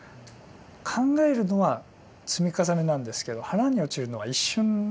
考えるのは積み重ねなんですけど腹に落ちるのは一瞬なんですよね。